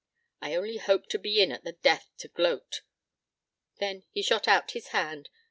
I only hope to be in at the death to gloat." Then he shot out his hand.